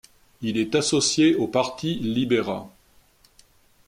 Il est associé au parti libéra.